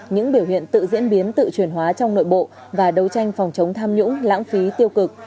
những biểu hiện tự diễn biến tự truyền hóa trong nội bộ và đấu tranh phòng chống tham nhũng lãng phí tiêu cực